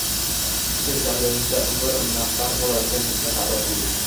sen kamida mingta umr sarf bo‘ladigan mehnatni ado qilding.